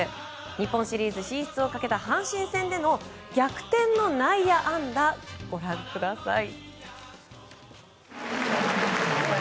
日本シリーズ進出をかけた阪神戦での逆転の内野安打をご覧ください。